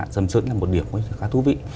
sầm sơ là một điểm khá thú vị